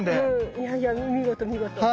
いやいや見事見事。